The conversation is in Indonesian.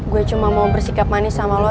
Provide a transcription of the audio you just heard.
gue cuma mau bersikap manis sama lo